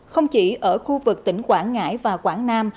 không chỉ ở khu vực tỉnh quảng ngãi và quảng nam